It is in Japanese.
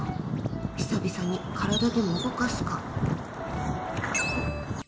久々に体でも動かすか。